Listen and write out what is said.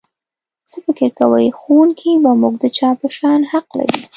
څه فکر کوئ ښوونکی په موږ د چا په شان حق لري؟